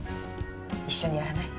一緒にやらない？